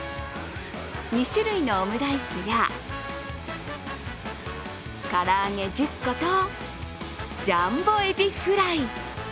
２種類のオムライスやから揚げ１０個とジャンボエビフライ。